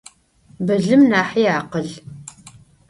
Bılım nahi akhıl.